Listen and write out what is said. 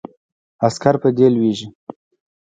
عسکر په دې لویږي.